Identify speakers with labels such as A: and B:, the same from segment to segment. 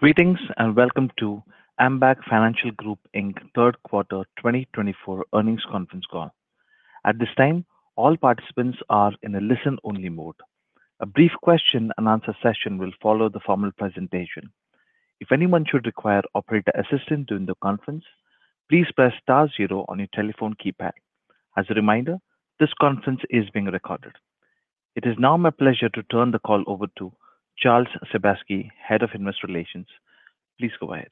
A: Greetings and welcome to Ambac Financial Group, Inc., Third Quarter 2024 Earnings Conference Call. At this time, all participants are in a listen-only mode. A brief question-and-answer session will follow the formal presentation. If anyone should require operator assistance during the conference, please press star zero on your telephone keypad. As a reminder, this conference is being recorded. It is now my pleasure to turn the call over to Charles Sebaski, Head of Investor Relations. Please go ahead.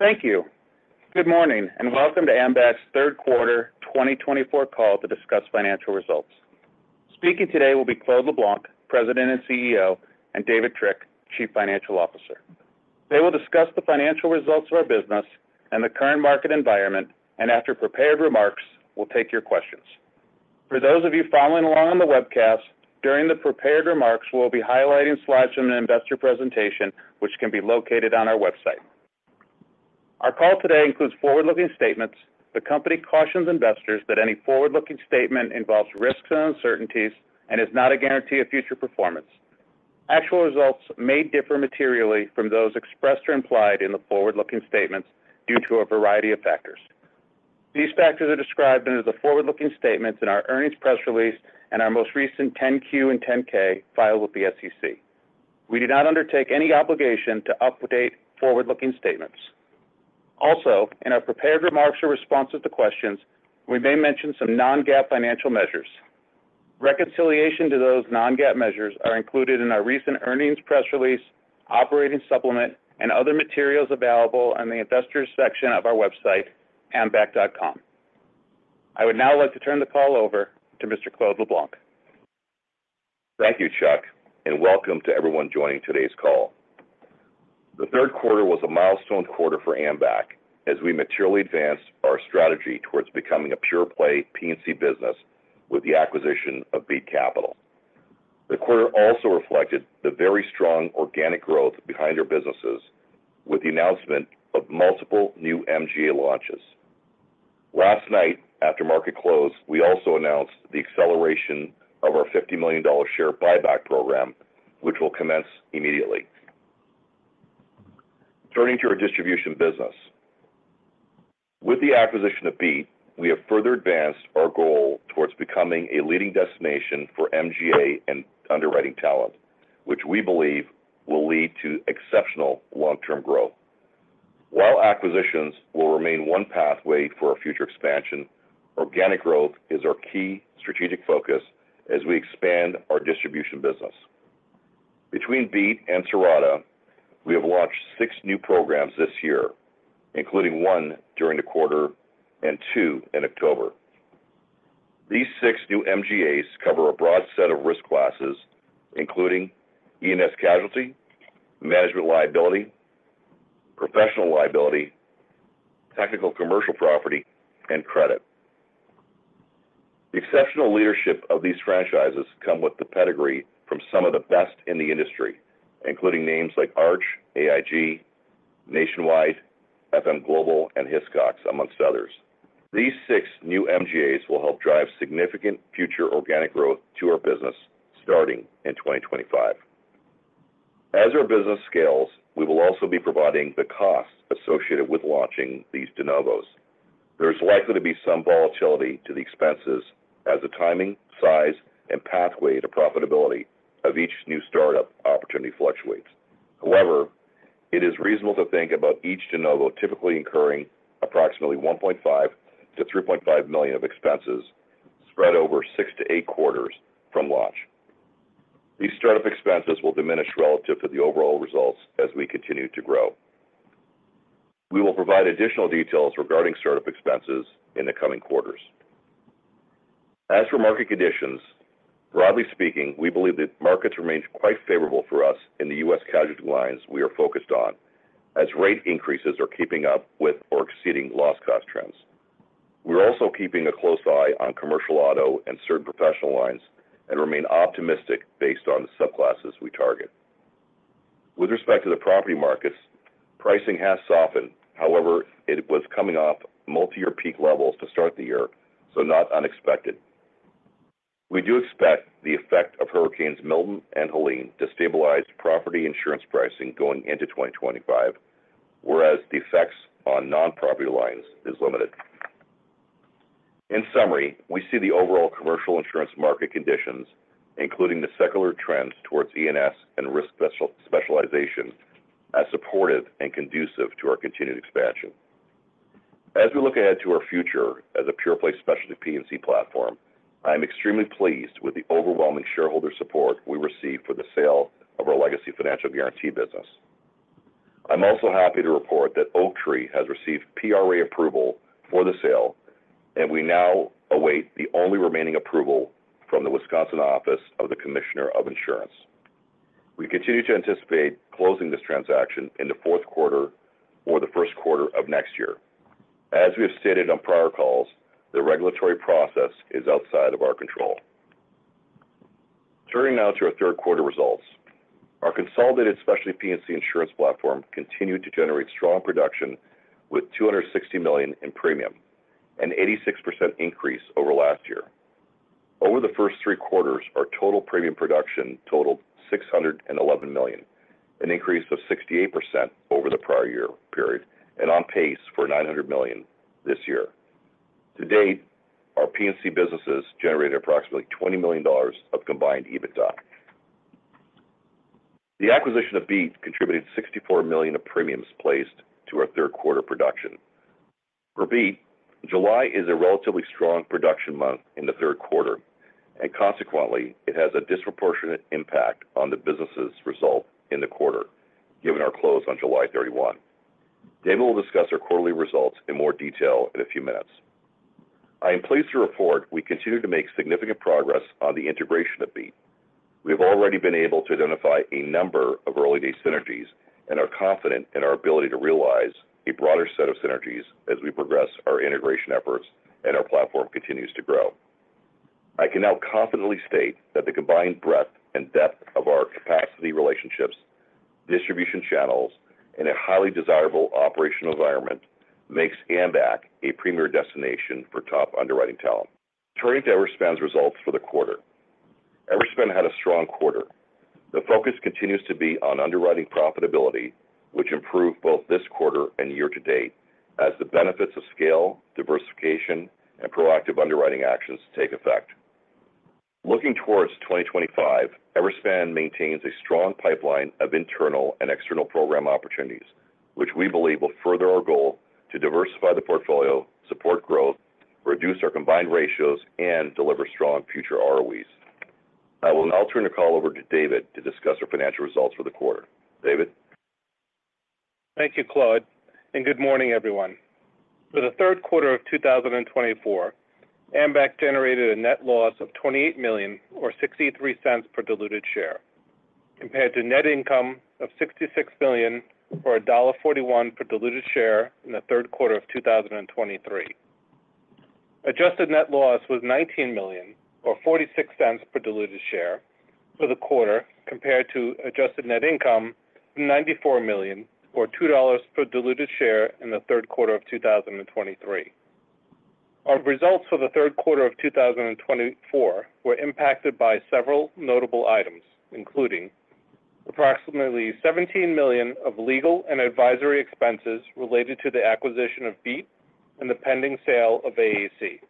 B: Thank you. Good morning and welcome to Ambac's Third Quarter 2024 call to discuss financial results. Speaking today will be Claude LeBlanc, President and CEO, and David Trick, Chief Financial Officer. They will discuss the financial results of our business and the current market environment, and after prepared remarks, we'll take your questions. For those of you following along on the webcast, during the prepared remarks, we'll be highlighting slides from the investor presentation, which can be located on our website. Our call today includes forward-looking statements. The company cautions investors that any forward-looking statement involves risks and uncertainties and is not a guarantee of future performance. Actual results may differ materially from those expressed or implied in the forward-looking statements due to a variety of factors. These factors are described in the forward-looking statements in our earnings press release and our most recent 10-Q and 10-K filed with the SEC. We do not undertake any obligation to update forward-looking statements. Also, in our prepared remarks or responses to questions, we may mention some non-GAAP financial measures. Reconciliation to those non-GAAP measures is included in our recent earnings press release, operating supplement, and other materials available on the investors' section of our website, ambac.com. I would now like to turn the call over to Mr. Claude LeBlanc.
C: Thank you, Chuck, and welcome to everyone joining today's call. The third quarter was a milestone quarter for Ambac as we materially advanced our strategy towards becoming a pure-play P&C business with the acquisition of Beat Capital. The quarter also reflected the very strong organic growth behind our businesses with the announcement of multiple new MGA launches. Last night, after market close, we also announced the acceleration of our $50 million share buyback program, which will commence immediately. Turning to our distribution business, with the acquisition of Beat, we have further advanced our goal towards becoming a leading destination for MGA and underwriting talent, which we believe will lead to exceptional long-term growth. While acquisitions will remain one pathway for our future expansion, organic growth is our key strategic focus as we expand our distribution business. Between Beat and Cirrata, we have launched six new programs this year, including one during the quarter and two in October. These six new MGAs cover a broad set of risk classes, including E&S casualty, management liability, professional liability, technical commercial property, and credit. The exceptional leadership of these franchises comes with the pedigree from some of the best in the industry, including names like Arch, AIG, Nationwide, FM Global, and Hiscox, amongst others. These six new MGAs will help drive significant future organic growth to our business starting in 2025. As our business scales, we will also be providing the cost associated with launching these de novos. There is likely to be some volatility to the expenses as the timing, size, and pathway to profitability of each new startup opportunity fluctuates. However, it is reasonable to think about each de novo typically incurring approximately $1.5-$3.5 million of expenses spread over six to eight quarters from launch. These startup expenses will diminish relative to the overall results as we continue to grow. We will provide additional details regarding startup expenses in the coming quarters. As for market conditions, broadly speaking, we believe that markets remain quite favorable for us in the U.S. casualty lines we are focused on as rate increases are keeping up with or exceeding loss cost trends. We're also keeping a close eye on commercial auto and certain professional lines and remain optimistic based on the subclasses we target. With respect to the property markets, pricing has softened. However, it was coming off multi-year peak levels to start the year, so not unexpected. We do expect the effect of Hurricanes Milton and Helene to stabilize property insurance pricing going into 2025, whereas the effects on non-property lines are limited. In summary, we see the overall commercial insurance market conditions, including the secular trends towards E&S and risk specialization, as supportive and conducive to our continued expansion. As we look ahead to our future as a pure-play specialty P&C platform, I am extremely pleased with the overwhelming shareholder support we received for the sale of our legacy financial guarantee business. I'm also happy to report that Oaktree has received PRA approval for the sale, and we now await the only remaining approval from the Wisconsin Office of the Commissioner of Insurance. We continue to anticipate closing this transaction in the fourth quarter or the first quarter of next year. As we have stated on prior calls, the regulatory process is outside of our control. Turning now to our third quarter results, our consolidated specialty P&C insurance platform continued to generate strong production with $260 million in premium, an 86% increase over last year. Over the first three quarters, our total premium production totaled $611 million, an increase of 68% over the prior year period, and on pace for $900 million this year. To date, our P&C businesses generated approximately $20 million of combined EBITDA. The acquisition of Beat contributed $64 million of premiums placed to our third quarter production. For Beat, July is a relatively strong production month in the third quarter, and consequently, it has a disproportionate impact on the business's result in the quarter, given our close on July 31. David will discuss our quarterly results in more detail in a few minutes. I am pleased to report we continue to make significant progress on the integration of Beat. We have already been able to identify a number of early-day synergies and are confident in our ability to realize a broader set of synergies as we progress our integration efforts and our platform continues to grow. I can now confidently state that the combined breadth and depth of our capacity relationships, distribution channels, and a highly desirable operational environment makes Ambac a premier destination for top underwriting talent. Turning to Everspan's results for the quarter, Everspan had a strong quarter. The focus continues to be on underwriting profitability, which improved both this quarter and year to date as the benefits of scale, diversification, and proactive underwriting actions take effect. Looking towards 2025, Everspan maintains a strong pipeline of internal and external program opportunities, which we believe will further our goal to diversify the portfolio, support growth, reduce our combined ratios, and deliver strong future ROEs. I will now turn the call over to David to discuss our financial results for the quarter. David.
D: Thank you, Claude, and good morning, everyone. For the third quarter of 2024, Ambac generated a net loss of $28 million or $0.63 per diluted share, compared to net income of $66 million or $1.41 per diluted share in the third quarter of 2023. Adjusted net loss was $19 million or $0.46 per diluted share for the quarter, compared to adjusted net income of $94 million or $2.00 per diluted share in the third quarter of 2023. Our results for the third quarter of 2024 were impacted by several notable items, including approximately $17 million of legal and advisory expenses related to the acquisition of Beat and the pending sale of AAC,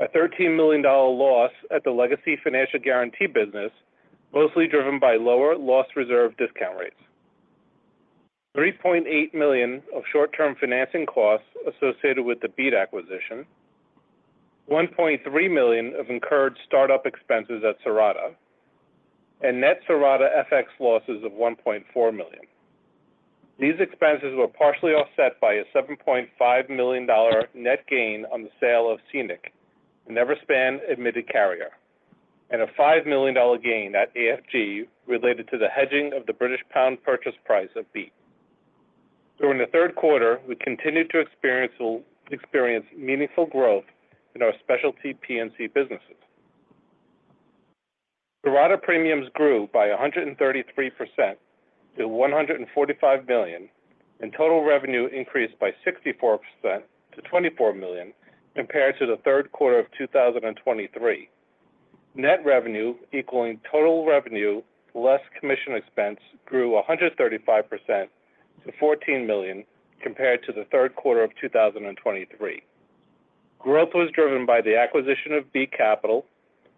D: a $13 million loss at the legacy financial guarantee business, mostly driven by lower loss reserve discount rates, $3.8 million of short-term financing costs associated with the Beat acquisition, $1.3 million of incurred startup expenses at Cirrata, and net Cirrata FX losses of $1.4 million. These expenses were partially offset by a $7.5 million net gain on the sale of Seaview, an Everspan admitted carrier, and a $5 million gain at AFG related to the hedging of the British pound purchase price of Beat. During the third quarter, we continued to experience meaningful growth in our specialty P&C businesses. Cirrata premiums grew by 133% to $145 million, and total revenue increased by 64% to $24 million compared to the third quarter of 2023. Net revenue, equaling total revenue less commission expense, grew 135% to $14 million compared to the third quarter of 2023. Growth was driven by the acquisition of Beat Capital,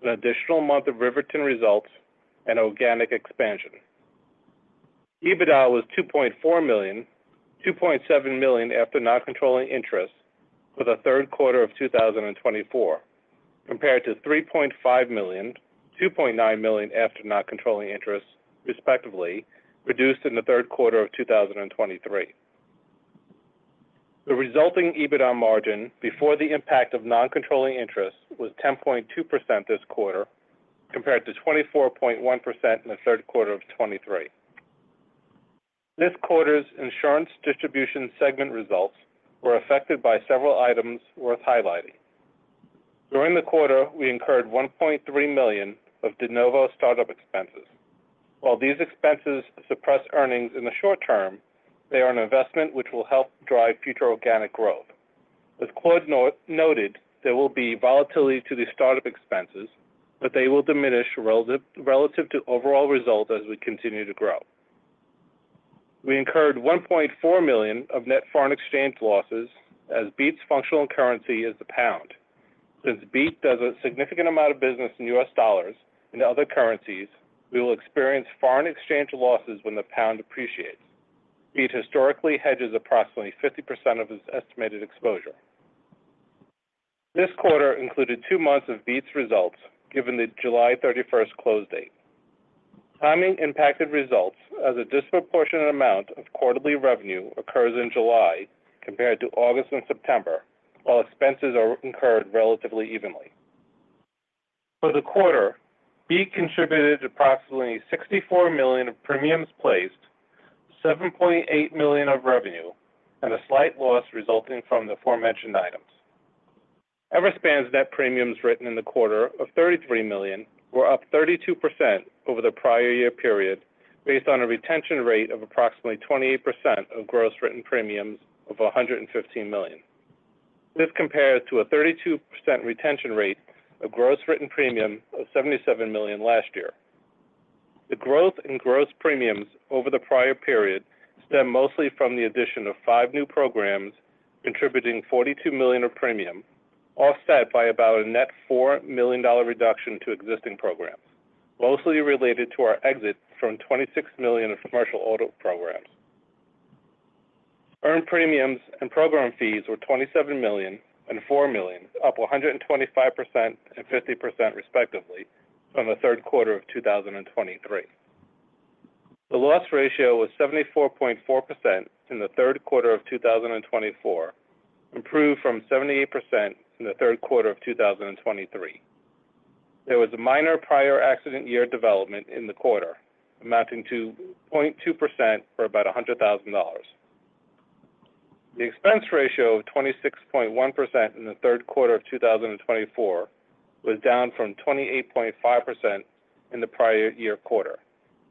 D: an additional month of Riverton results, and organic expansion. EBITDA was $2.4 million, $2.7 million after non-controlling interest for the third quarter of 2024, compared to $3.5 million, $2.9 million after non-controlling interest, respectively, reduced in the third quarter of 2023. The resulting EBITDA margin before the impact of non-controlling interest was 10.2% this quarter, compared to 24.1% in the third quarter of 2023. This quarter's insurance distribution segment results were affected by several items worth highlighting. During the quarter, we incurred $1.3 million of de novo startup expenses. While these expenses suppress earnings in the short term, they are an investment which will help drive future organic growth. As Claude noted, there will be volatility to the startup expenses, but they will diminish relative to overall results as we continue to grow. We incurred $1.4 million of net foreign exchange losses as Beat's functional currency is the pound. Since Beat does a significant amount of business in U.S. dollars and other currencies, we will experience foreign exchange losses when the pound appreciates. Beat historically hedges approximately 50% of its estimated exposure. This quarter included two months of Beat's results, given the July 31 close date. Timing impacted results as a disproportionate amount of quarterly revenue occurs in July compared to August and September, while expenses are incurred relatively evenly. For the quarter, Beat contributed approximately $64 million of premiums placed, $7.8 million of revenue, and a slight loss resulting from the aforementioned items. Everspan's net premiums written in the quarter of $33 million were up 32% over the prior year period based on a retention rate of approximately 28% of gross written premiums of $115 million. This compares to a 32% retention rate of gross written premium of $77 million last year. The growth in gross premiums over the prior period stemmed mostly from the addition of five new programs contributing $42 million of premium, offset by about a net $4 million reduction to existing programs, mostly related to our exit from $26 million of commercial auto programs. Earned premiums and program fees were $27 million and $4 million, up 125% and 50%, respectively, from the third quarter of 2023. The loss ratio was 74.4% in the third quarter of 2024, improved from 78% in the third quarter of 2023. There was a minor prior accident year development in the quarter, amounting to 0.2% for about $100,000. The expense ratio of 26.1% in the third quarter of 2024 was down from 28.5% in the prior year quarter,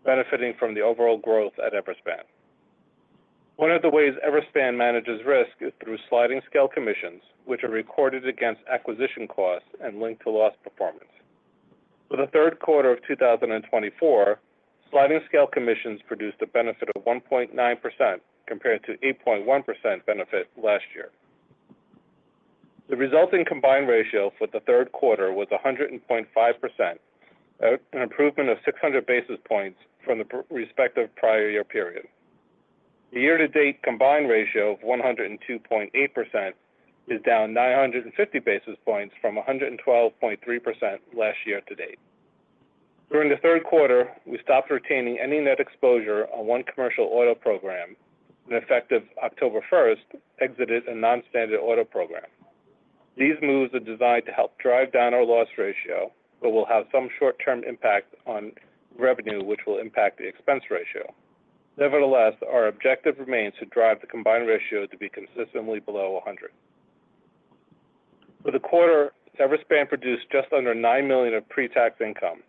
D: benefiting from the overall growth at Everspan. One of the ways Everspan manages risk is through sliding scale commissions, which are recorded against acquisition costs and linked to loss performance. For the third quarter of 2024, sliding scale commissions produced a benefit of 1.9% compared to 8.1% benefit last year. The resulting combined ratio for the third quarter was 100.5%, an improvement of 600 basis points from the respective prior year period. The year-to-date combined ratio of 102.8% is down 950 basis points from 112.3% last year to date. During the third quarter, we stopped retaining any net exposure on one commercial auto program and, effective October 1, exited a non-standard auto program. These moves are designed to help drive down our loss ratio, but will have some short-term impact on revenue, which will impact the expense ratio. Nevertheless, our objective remains to drive the combined ratio to be consistently below 100. For the quarter, Everspan produced just under $9 million of pre-tax income,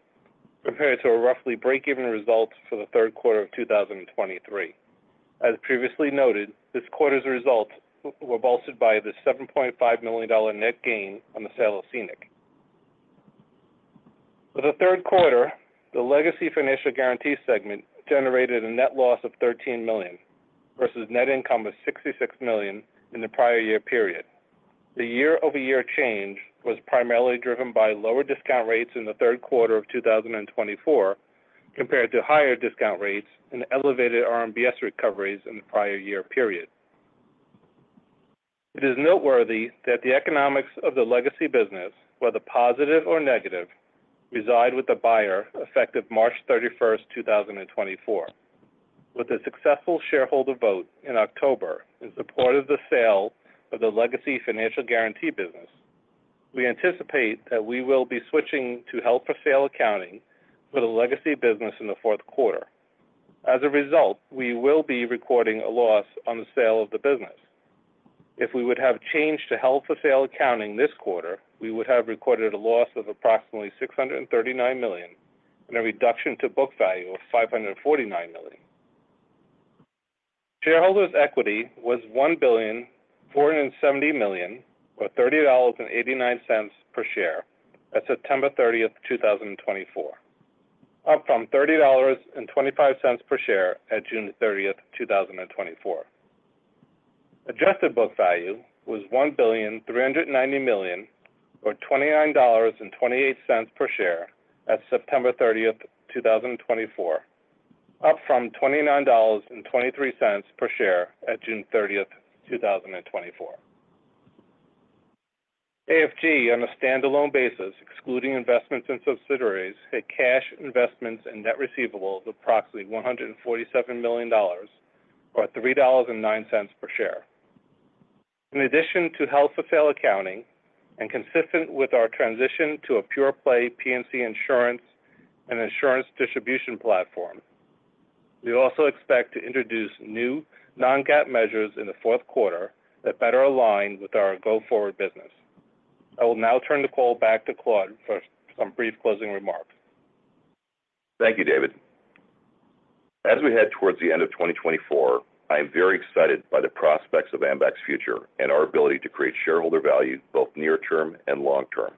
D: compared to a roughly break-even result for the third quarter of 2023. As previously noted, this quarter's results were bolstered by the $7.5 million net gain on the sale of Seaview. For the third quarter, the legacy financial guarantee segment generated a net loss of $13 million versus net income of $66 million in the prior year period. The year-over-year change was primarily driven by lower discount rates in the third quarter of 2024, compared to higher discount rates and elevated RMBS recoveries in the prior year period. It is noteworthy that the economics of the legacy business, whether positive or negative, reside with the buyer effective March 31, 2024. With a successful shareholder vote in October in support of the sale of the legacy financial guarantee business, we anticipate that we will be switching to held for sale accounting for the legacy business in the fourth quarter. As a result, we will be recording a loss on the sale of the business. If we would have changed to held for sale accounting this quarter, we would have recorded a loss of approximately $639 million and a reduction to book value of $549 million. Shareholders' equity was $1,470,000 or $30.89 per share at September 30, 2024, up from $30.25 per share at June 30, 2024. Adjusted book value was $1,390,000 or $29.28 per share at September 30, 2024, up from $29.23 per share at June 30, 2024. AFG, on a standalone basis, excluding investments and subsidiaries, had cash investments and net receivables of approximately $147 million or $3.09 per share. In addition to held for sale accounting and consistent with our transition to a pure-play P&C insurance and insurance distribution platform, we also expect to introduce new non-GAAP measures in the fourth quarter that better align with our go-forward business. I will now turn the call back to Claude for some brief closing remarks.
C: Thank you, David. As we head towards the end of 2024, I am very excited by the prospects of Ambac's future and our ability to create shareholder value both near-term and long-term.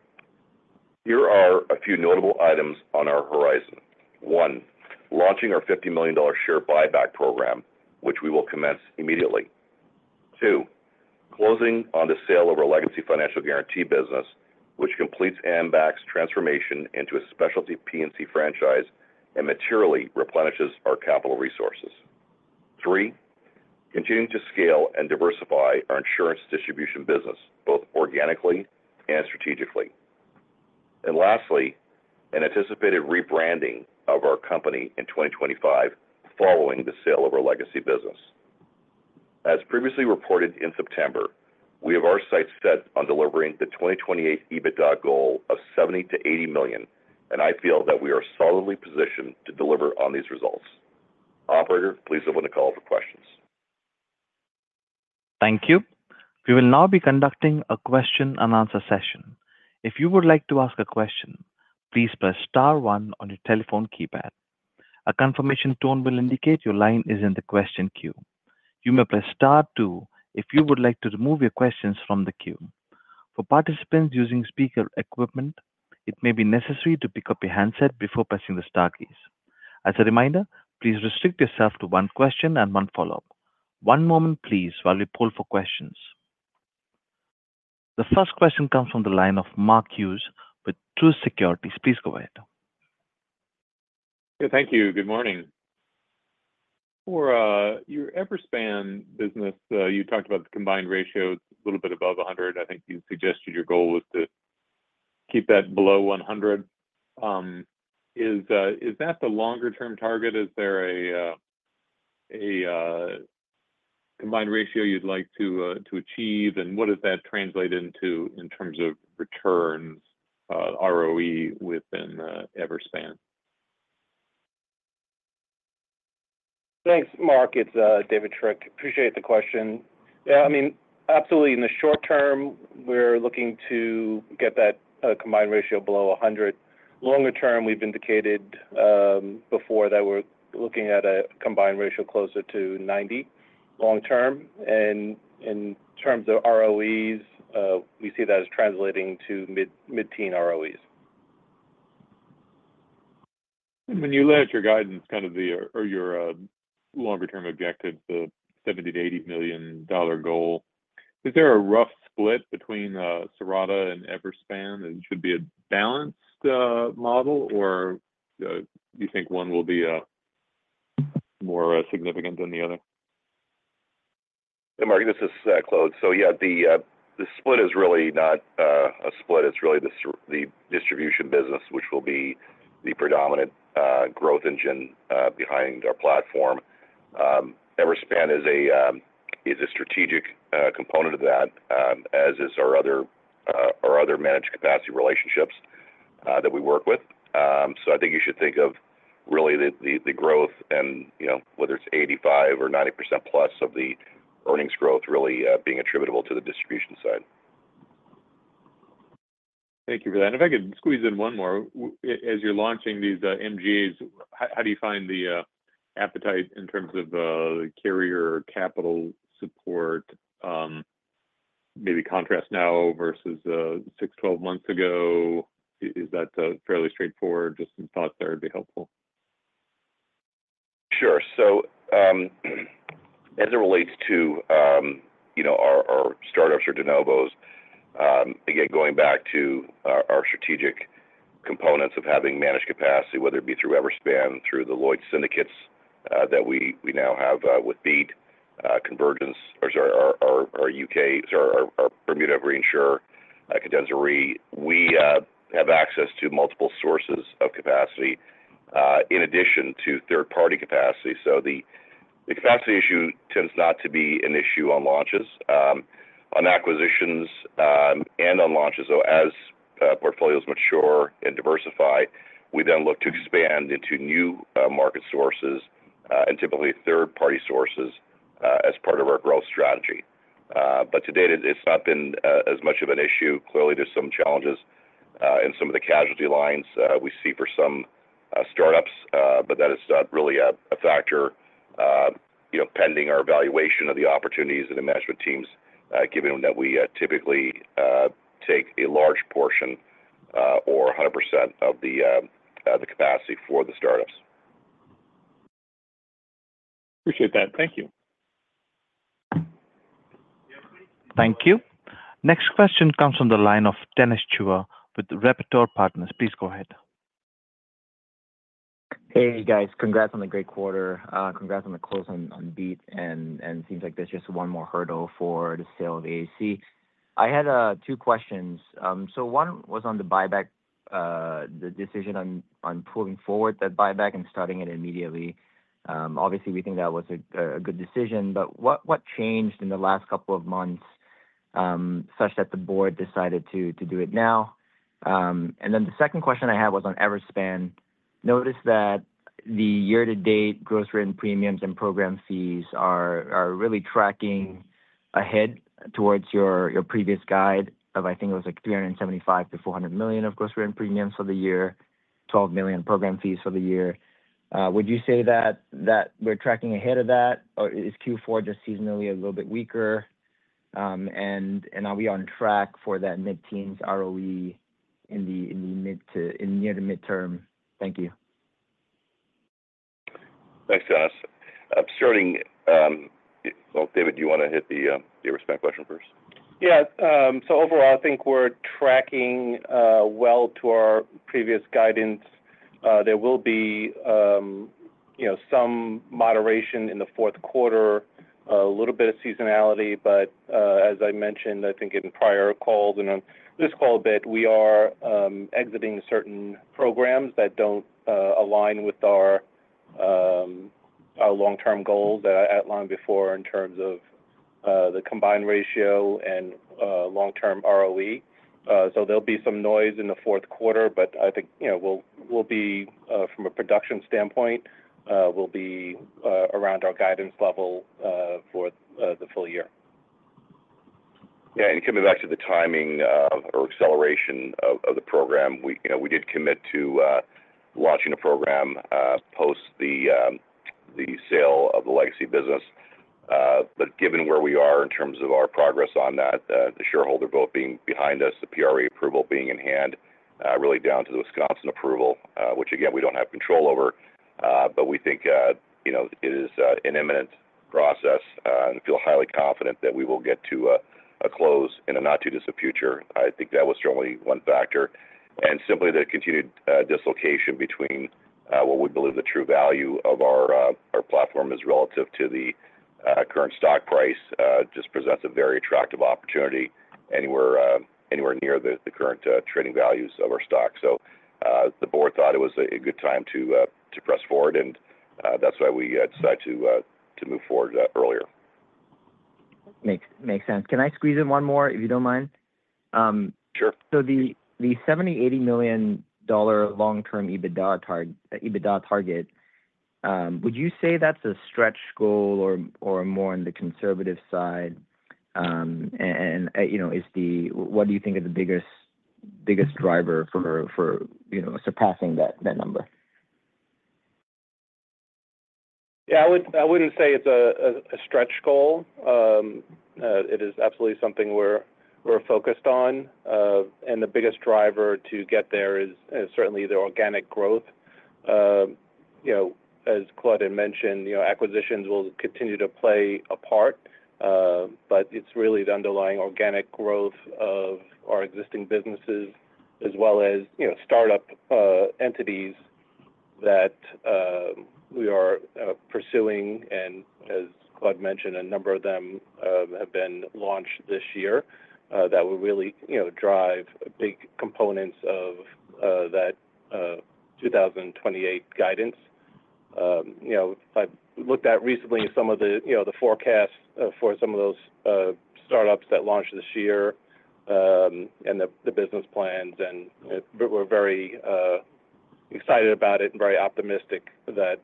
C: Here are a few notable items on our horizon. One, launching our $50 million share buyback program, which we will commence immediately. Two, closing on the sale of our legacy financial guarantee business, which completes Ambac's transformation into a specialty P&C franchise and materially replenishes our capital resources. Three, continuing to scale and diversify our insurance distribution business, both organically and strategically. And lastly, an anticipated rebranding of our company in 2025 following the sale of our legacy business. As previously reported in September, we have our sights set on delivering the 2028 EBITDA goal of $70 million-$80 million, and I feel that we are solidly positioned to deliver on these results. Operator, please open the call for questions.
A: Thank you. We will now be conducting a question-and-answer session. If you would like to ask a question, please press Star 1 on your telephone keypad. A confirmation tone will indicate your line is in the question queue. You may press Star 2 if you would like to remove your questions from the queue. For participants using speaker equipment, it may be necessary to pick up your handset before pressing the star keys. As a reminder, please restrict yourself to one question and one follow-up. One moment, please, while we poll for questions. The first question comes from the line of Mark Hughes with Truist Securities. Please go ahead.
E: Thank you. Good morning. For your Everspan business, you talked about the combined ratio, it's a little bit above 100. I think you suggested your goal was to keep that below 100. Is that the longer-term target? Is there a combined ratio you'd like to achieve, and what does that translate into in terms of returns, ROE within Everspan?
D: Thanks, Mark. It's David Trick. Appreciate the question. Yeah, I mean, absolutely. In the short term, we're looking to get that combined ratio below 100. Longer term, we've indicated before that we're looking at a combined ratio closer to 90 long-term. And in terms of ROEs, we see that as translating to mid-teen ROEs.
E: When you launch your guidance, kind of your longer-term objective, the $70-$80 million goal, is there a rough split between Cirrata and Everspan? It should be a balanced model, or do you think one will be more significant than the other?
C: Hey, Mark. This is Claude. So yeah, the split is really not a split. It's really the distribution business, which will be the predominant growth engine behind our platform. Everspan is a strategic component of that, as are our other managed capacity relationships that we work with. So I think you should think of really the growth and whether it's 85% or 90% plus of the earnings growth really being attributable to the distribution side.
E: Thank you for that. If I could squeeze in one more. As you're launching these MGAs, how do you find the appetite in terms of carrier capital support, maybe contrast now versus six, 12 months ago? Is that fairly straightforward? Just some thoughts that would be helpful.
C: Sure. So as it relates to our startups or de novos, again, going back to our strategic components of having managed capacity, whether it be through Everspan, through the Lloyd's syndicates that we now have with Beat, Cirrata, or sorry, our permanent reinsurer, Cadenza Re. We have access to multiple sources of capacity in addition to third-party capacity. So the capacity issue tends not to be an issue on launches, on acquisitions, and on launches. So as portfolios mature and diversify, we then look to expand into new market sources and typically third-party sources as part of our growth strategy. But to date, it's not been as much of an issue. Clearly, there's some challenges in some of the casualty lines we see for some startups, but that is not really a factor pending our evaluation of the opportunities and the management teams, given that we typically take a large portion or 100% of the capacity for the startups.
E: Appreciate that. Thank you.
A: Thank you. Next question comes from the line of Dennis Chua with Repertoire Partners. Please go ahead.
F: Hey, guys. Congrats on the great quarter. Congrats on the close on Beat. And it seems like there's just one more hurdle for the sale of AAC. I had two questions. So one was on the buyback, the decision on pulling forward that buyback and starting it immediately. Obviously, we think that was a good decision, but what changed in the last couple of months such that the board decided to do it now? And then the second question I had was on Everspan. Notice that the year-to-date gross written premiums and program fees are really tracking ahead towards your previous guide of, I think it was like $375 million-$400 million of gross written premiums for the year, $12 million program fees for the year. Would you say that we're tracking ahead of that, or is Q4 just seasonally a little bit weaker, and are we on track for that mid-teens ROE in the near to midterm? Thank you.
C: Thanks, Dennis. Well, David, do you want to hit the Everspan question first?
D: Yeah. So overall, I think we're tracking well to our previous guidance. There will be some moderation in the fourth quarter, a little bit of seasonality, but as I mentioned, I think in prior calls and on this call a bit, we are exiting certain programs that don't align with our long-term goals that I outlined before in terms of the combined ratio and long-term ROE. So there'll be some noise in the fourth quarter, but I think from a production standpoint, we'll be around our guidance level for the full year.
C: Yeah. And coming back to the timing or acceleration of the program, we did commit to launching a program post the sale of the legacy business. But given where we are in terms of our progress on that, the shareholder vote being behind us, the PRA approval being in hand, really down to the Wisconsin approval, which, again, we don't have control over, but we think it is an imminent process. And I feel highly confident that we will get to a close in a not too distant future. I think that was certainly one factor. And simply the continued dislocation between what we believe the true value of our platform is relative to the current stock price just presents a very attractive opportunity anywhere near the current trading values of our stock. So the board thought it was a good time to press forward, and that's why we decided to move forward earlier.
F: Makes sense. Can I squeeze in one more, if you don't mind?
C: Sure.
F: The $70 million long-term EBITDA target, would you say that's a stretch goal or more on the conservative side? And what do you think is the biggest driver for surpassing that number?
D: Yeah. I wouldn't say it's a stretch goal. It is absolutely something we're focused on. And the biggest driver to get there is certainly the organic growth. As Claude had mentioned, acquisitions will continue to play a part, but it's really the underlying organic growth of our existing businesses as well as startup entities that we are pursuing. And as Claude mentioned, a number of them have been launched this year that will really drive big components of that 2028 guidance. I've looked at recently some of the forecasts for some of those startups that launched this year and the business plans, and we're very excited about it and very optimistic that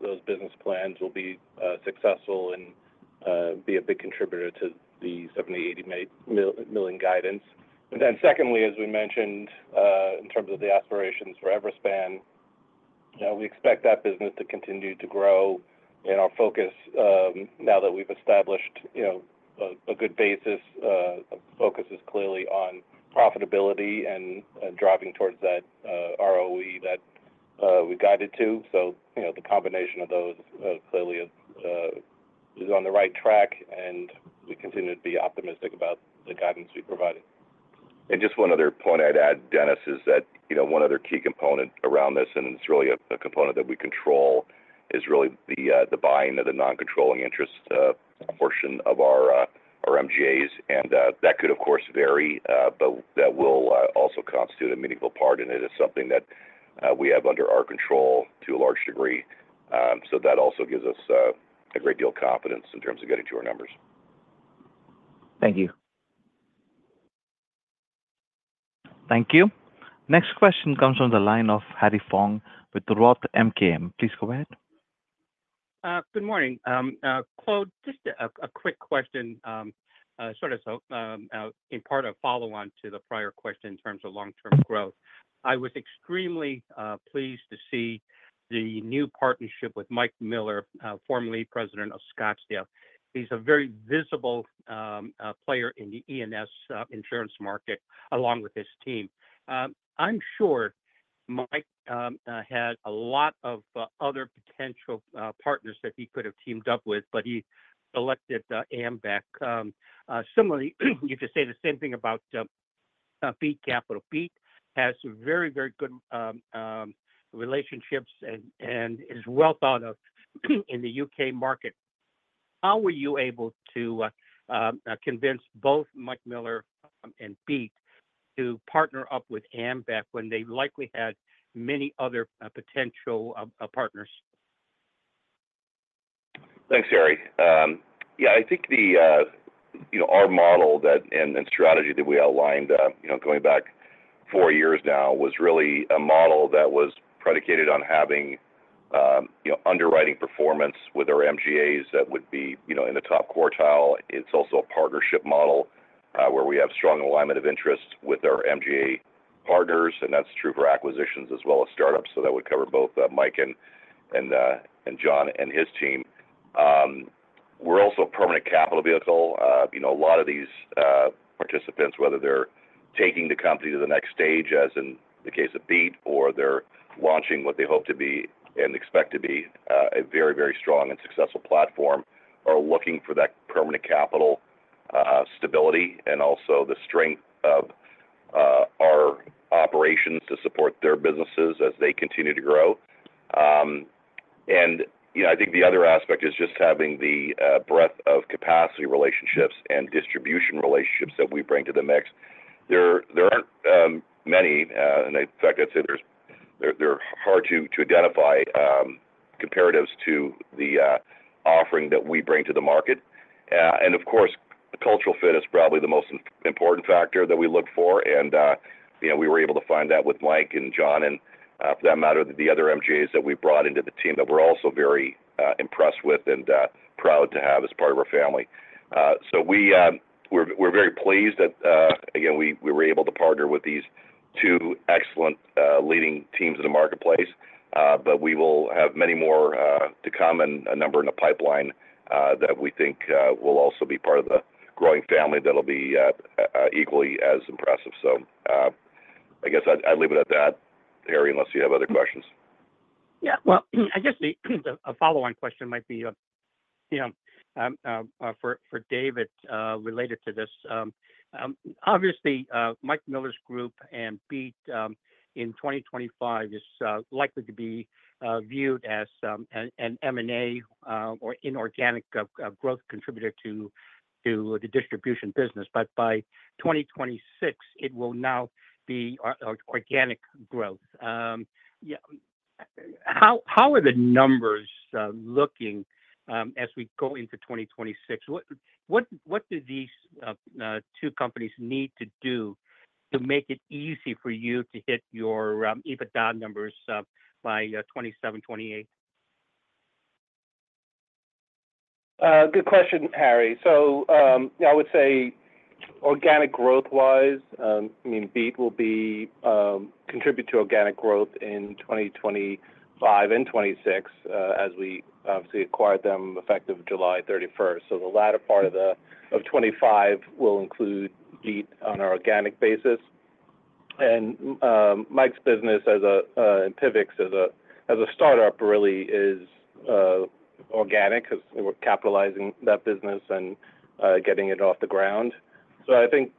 D: those business plans will be successful and be a big contributor to the $70 billion guidance. And then secondly, as we mentioned, in terms of the aspirations for Everspan, we expect that business to continue to grow. Our focus, now that we've established a good basis, focuses clearly on profitability and driving towards that ROE that we guided to. The combination of those clearly is on the right track, and we continue to be optimistic about the guidance we provided.
C: And just one other point I'd add, Dennis, is that one other key component around this, and it's really a component that we control, is really the buying of the non-controlling interest portion of our MGAs. And that could, of course, vary, but that will also constitute a meaningful part, and it is something that we have under our control to a large degree. So that also gives us a great deal of confidence in terms of getting to our numbers.
F: Thank you.
A: Thank you. Next question comes from the line of Harry Fong with Roth MKM. Please go ahead.
G: Good morning. Claude, just a quick question, sort of in part a follow-on to the prior question in terms of long-term growth. I was extremely pleased to see the new partnership with Mike Miller, formerly President of Scottsdale. He's a very visible player in the E&S insurance market along with his team. I'm sure Mike had a lot of other potential partners that he could have teamed up with, but he selected Ambac. Similarly, you could say the same thing about Beat Capital. Beat has very, very good relationships and is well thought of in the U.K. market. How were you able to convince both Mike Miller and Beat to partner up with Ambac when they likely had many other potential partners?
C: Thanks, Harry. Yeah, I think our model and strategy that we outlined going back four years now was really a model that was predicated on having underwriting performance with our MGAs that would be in the top quartile. It's also a partnership model where we have strong alignment of interest with our MGA partners, and that's true for acquisitions as well as startups. So that would cover both Mike and John and his team. We're also a permanent capital vehicle. A lot of these participants, whether they're taking the company to the next stage, as in the case of Beat, or they're launching what they hope to be and expect to be a very, very strong and successful platform, are looking for that permanent capital stability and also the strength of our operations to support their businesses as they continue to grow. And I think the other aspect is just having the breadth of capacity relationships and distribution relationships that we bring to the mix. There aren't many, and in fact, I'd say they're hard to identify comparatives to the offering that we bring to the market. And of course, cultural fit is probably the most important factor that we look for. And we were able to find that with Mike and John, and for that matter, the other MGAs that we brought into the team that we're also very impressed with and proud to have as part of our family. So we're very pleased that, again, we were able to partner with these two excellent leading teams in the marketplace, but we will have many more to come and a number in the pipeline that we think will also be part of the growing family that'll be equally as impressive. So I guess I'd leave it at that, Harry, unless you have other questions.
G: Yeah. Well, I guess a follow-on question might be for David related to this. Obviously, Mike Miller's group and Beat in 2025 is likely to be viewed as an M&A or inorganic growth contributor to the distribution business, but by 2026, it will now be organic growth. How are the numbers looking as we go into 2026? What do these two companies need to do to make it easy for you to hit your EBITDA numbers by 2027, 2028?
D: Good question, Harry. So I would say organic growth-wise, I mean, Beat will contribute to organic growth in 2025 and 2026 as we obviously acquired them effective July 31st, so the latter part of 2025 will include Beat on our organic basis. And Mike's business and Pivix as a startup really is organic because we're capitalizing that business and getting it off the ground, so I think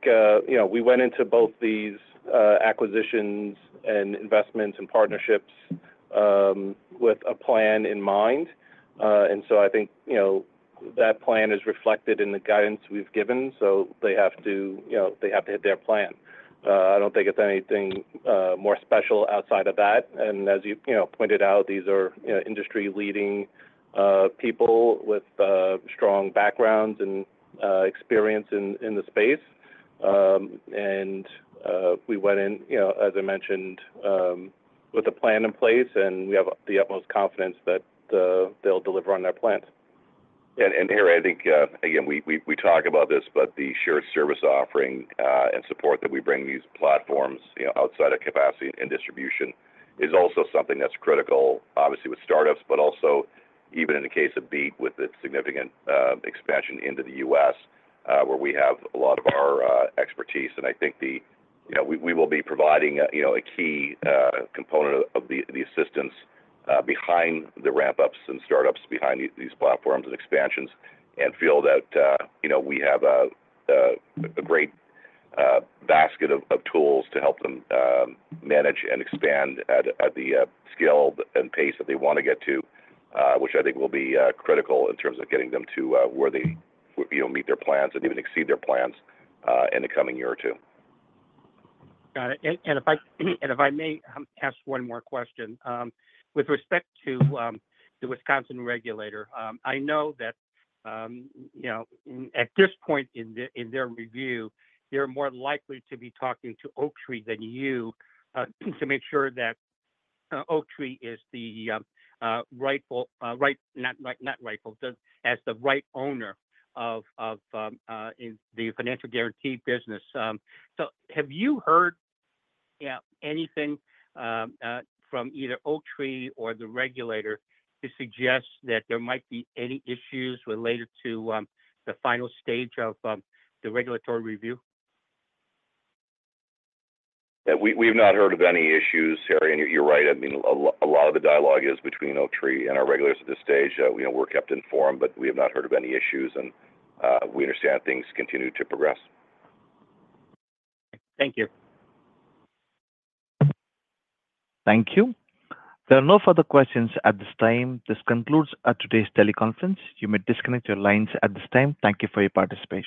D: we went into both these acquisitions and investments and partnerships with a plan in mind, and so I think that plan is reflected in the guidance we've given, so they have to hit their plan. I don't think it's anything more special outside of that, and as you pointed out, these are industry-leading people with strong backgrounds and experience in the space. We went in, as I mentioned, with a plan in place, and we have the utmost confidence that they'll deliver on their plans.
C: Harry, I think, again, we talk about this, but the shared service offering and support that we bring these platforms outside of capacity and distribution is also something that's critical, obviously, with startups, but also even in the case of Beat with its significant expansion into the U.S., where we have a lot of our expertise. I think we will be providing a key component of the assistance behind the ramp-ups and startups behind these platforms and expansions and feel that we have a great basket of tools to help them manage and expand at the scale and pace that they want to get to, which I think will be critical in terms of getting them to where they meet their plans and even exceed their plans in the coming year or two.
G: Got it. And if I may ask one more question, with respect to the Wisconsin regulator, I know that at this point in their review, they're more likely to be talking to Oaktree than you to make sure that Oaktree is the rightful—not rightful—as the right owner of the financial guarantee business. So have you heard anything from either Oaktree or the regulator to suggest that there might be any issues related to the final stage of the regulatory review?
C: We have not heard of any issues, Harry. And you're right. I mean, a lot of the dialogue is between Oaktree and our regulators at this stage. We're kept informed, but we have not heard of any issues, and we understand things continue to progress.
G: Thank you.
A: Thank you. There are no further questions at this time. This concludes today's teleconference. You may disconnect your lines at this time. Thank you for your participation.